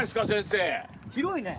広いね。